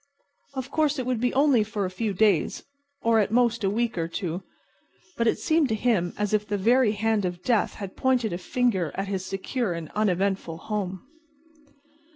Of course it would be only for a few days, or at most a week or two, but it seemed to him as if the very hand of death had pointed a finger at his secure and uneventful home.